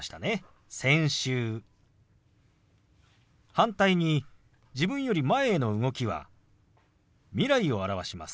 反対に自分より前への動きは未来を表します。